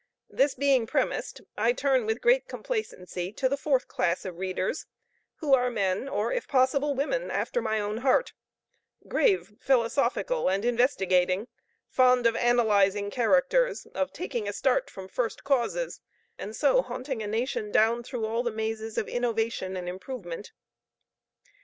This being premised, I turn with great complacency to the fourth class of my readers, who are men, or, if possible, women after my own heart; grave, philosophical, and investigating; fond of analyzing characters, of taking a start from first causes, and so haunting a nation down, through all the mazes of innovation and improvement.